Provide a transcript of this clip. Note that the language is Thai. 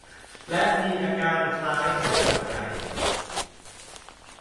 และมีอาการคล้ายไข้หวัดใหญ่